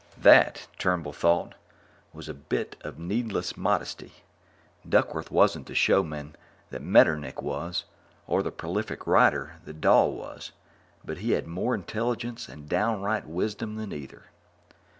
(_That, Turnbull thought, was a bit of needless modesty; Duckworth wasn't the showman that Metternick was, or the prolific writer that Dahl was, but he had more intelligence and down right wisdom than either.